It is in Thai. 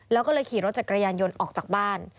แล้วก็เลยขี่รถจักรยานยนต์ออกจากบ้าน